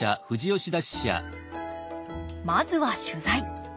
まずは取材。